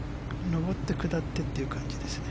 上って下ってという感じですね。